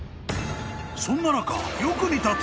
［そんな中］